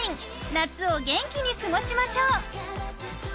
夏を元気に過ごしましょう。